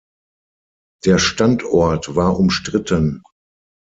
Der Standort war umstritten.